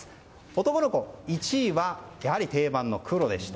男の子の１位はやはり定番の黒でした。